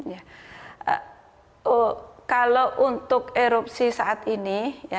kalau untuk erupsi saat ini